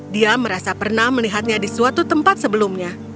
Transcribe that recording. dia merasa pernah melihatnya di suatu tempat sebelumnya